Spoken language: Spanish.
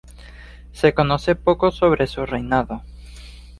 Se conoce poco sobre su reinado.